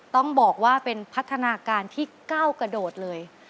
ต้องบอกว่าเป็นพัฒนาการที่ก้าวกระโดดเลย